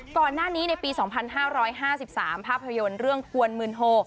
ก่อนหน้านี้ในปี๒๕๕๓ภาพยนตร์เรื่องควร๑๖๐๐